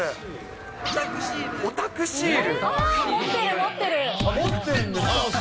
オタクシールです。